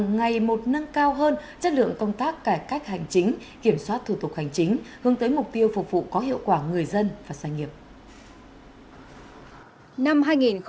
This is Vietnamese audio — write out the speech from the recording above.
ngày một nâng cao hơn chất lượng công tác cải cách hành chính kiểm soát thủ tục hành chính hướng tới mục tiêu phục vụ có hiệu quả người dân và doanh nghiệp